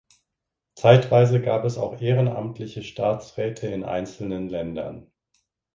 Zeitweise gab es auch ehrenamtliche Staatsräte in einzelnen Ländern.